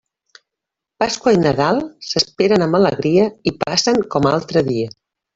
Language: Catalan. Pasqua i Nadal s'esperen amb alegria i passen com altre dia.